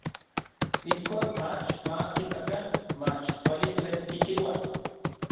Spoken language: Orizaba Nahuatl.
Ijkon mach ma kitakan mach kuali tlen kichiua.